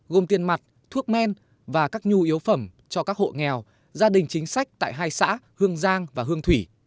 gồm tiền mặt thuốc men và các nhu yếu phẩm cho các hộ nghèo gia đình chính sách tại hai xã hương giang và hương thủy